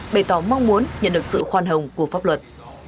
bày tỏ mong muốn nhận được sự khoan hồng của pháp luật